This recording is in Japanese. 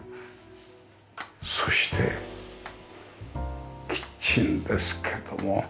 そしてキッチンですけども。